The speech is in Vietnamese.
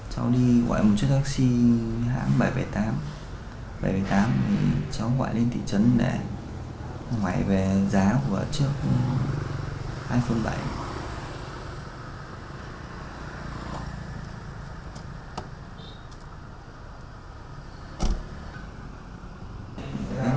cháu đi gọi một chiếc taxi hãng bảy v tám bảy v tám thì cháu gọi lên thị trấn để gọi về giá của chiếc iphone bảy